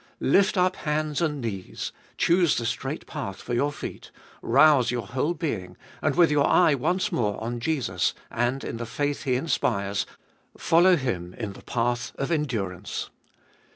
Lift up hands and knees, choose the straight path for your feet, rouse your whole being, and with your eye once more on Jesus, and in the faith He inspires, follow Him in the path of endurance.